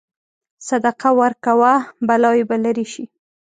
صدقه ورکوه، بلاوې به لرې شي.